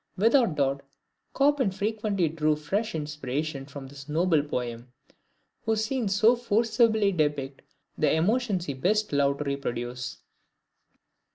Without doubt, Chopin frequently drew fresh inspiration from this noble poem, whose scenes so forcibly depict the emotions he best loved to reproduce.